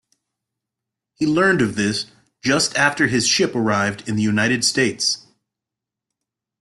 He learned of this just after his ship arrived in the United States.